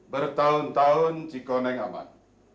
bertahun tahun cikoneng aman